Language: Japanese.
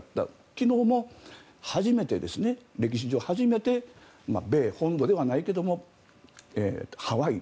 昨日も歴史上初めて米本土ではないけどもハワイ